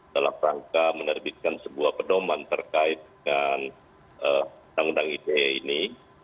dalam rangka menerbitkan sebuah pedoman terkait dengan undang undang ite ini